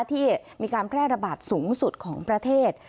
ที่มีการแพร่ระบาดสูงสุดของประเทศ